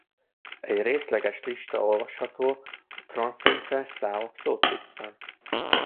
Egy részleges lista olvasható a transzcendens számok szócikkben.